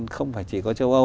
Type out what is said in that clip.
không phải chỉ có châu âu